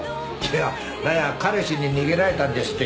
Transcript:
何や彼氏に逃げられたんですって。